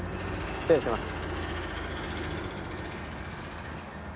失礼します。